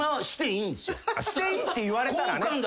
していいって言われたらね。